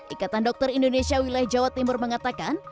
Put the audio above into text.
ikatan dokter indonesia wilayah jawa timur mengatakan